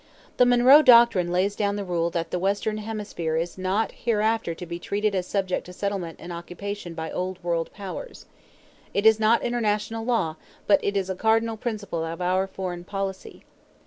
The Monroe Doctrine lays down the rule that the Western Hemisphere is not hereafter to be treated as subject to settlement and occupation by Old World powers. It is not international law; but it is a cardinal principle of our foreign policy.